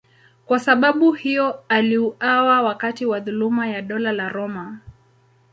Kwa sababu hiyo aliuawa wakati wa dhuluma ya Dola la Roma.